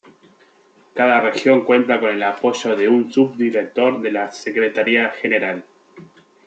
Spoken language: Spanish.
Cada región cuenta con el apoyo de un subdirector en la Secretaría General.